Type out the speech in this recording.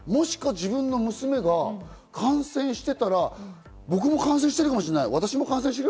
自分の娘が感染してたら、僕も感染してるかもしれない。